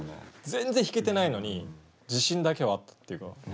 全然弾けてないのに自信だけはあったっていうか。